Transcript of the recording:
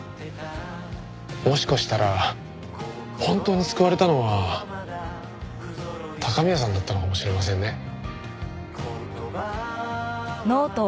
もしかしたら本当に救われたのは高宮さんだったのかもしれませんね。